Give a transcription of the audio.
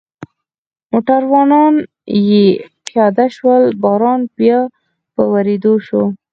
موټروانان یې پیاده شول، باران بیا په ورېدو شو.